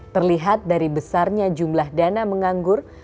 terlihat dari besarnya jumlah dana menganggur